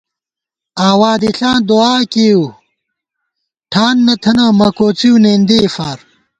آواں دِݪاں دُعا کېئیؤ ٹھان نہ تھنہ مہ کوڅِؤ نېندِئےفار